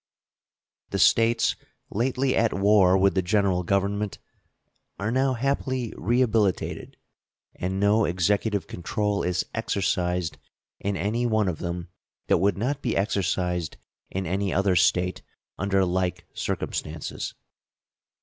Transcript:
The States lately at war with the General Government are now happily rehabilitated, and no Executive control is exercised in any one of them that would not be exercised in any other State under like circumstances.